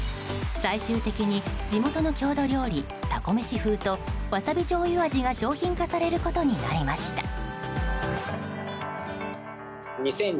最終的に地元の郷土料理たこめし風とわさび醤油味が商品化されることになりました。